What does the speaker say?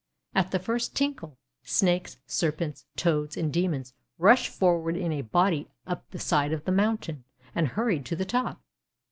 At the first tinkle, Snakes, Serpents, Toads, and Demons rushed forward in a body up the side of the mountain, and hurried to the top.